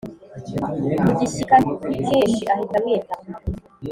mugishyika kinshi ahita amwitaba